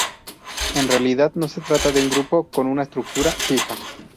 En realidad, no se trataba de un grupo con una estructura fija.